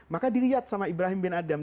maka dilihat sama ibrahim bin adam